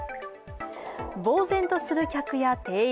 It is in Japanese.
ぼう然とする客や店員。